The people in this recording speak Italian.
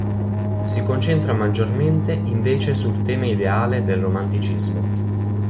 Si concentra maggiormente invece sul tema ideale del romanticismo.